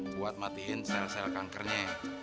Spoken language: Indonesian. buat matiin sel sel kankernya